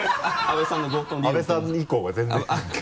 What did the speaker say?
「阿部さん」以降が全然